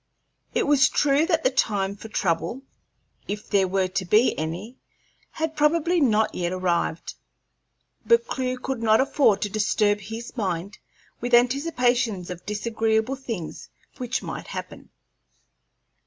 It was true that the time for trouble, if there were to be any, had probably not yet arrived, but Clewe could not afford to disturb his mind with anticipations of disagreeable things which might happen.